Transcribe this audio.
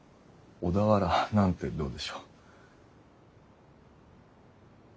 小田原なんてどうでしょう？